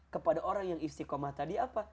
kepada orang yang istiqomah tadi apa